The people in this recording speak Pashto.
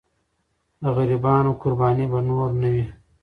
د غریبانو قرباني به نور نه وي.